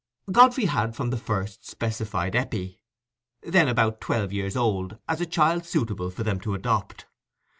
Godfrey had from the first specified Eppie, then about twelve years old, as a child suitable for them to adopt.